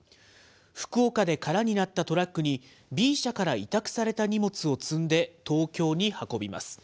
福岡で空になったトラックに、Ｂ社から委託された荷物を積んで、東京に運びます。